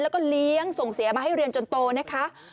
แล้วก็เลี้ยงส่งเสียมาให้เรียนจนโตนะคะ